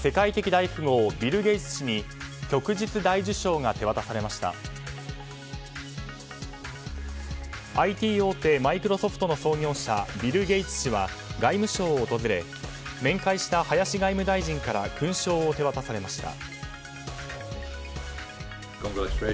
マイクロソフトの創業者ビル・ゲイツ氏は外務省を訪れ面会した林外務大臣から勲章を手渡されました。